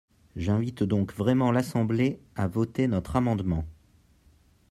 J’invite donc vraiment l’Assemblée à voter notre amendement.